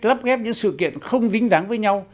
lắp ghép những sự kiện không dính dáng với nhau